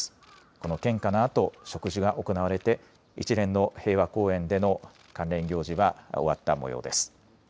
この献花のあと植樹が行われて一連の平和公園での関連行事は終わったもようです。